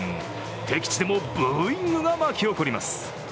敵地でもブーイングが巻き起こります。